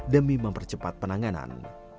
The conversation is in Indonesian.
demi mempercepat penanganan